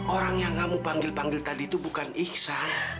orang yang kamu panggil panggil tadi itu bukan iksan